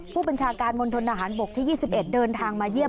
ผู้บัญชาการมณฑนทหารบกที่๒๑เดินทางมาเยี่ยม